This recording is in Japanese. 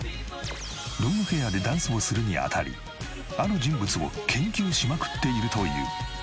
ロングヘアでダンスをするにあたりある人物を研究しまくっているという。